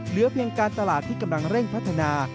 เหลือเพียงการตลาดที่กำลังเร่งพัฒนา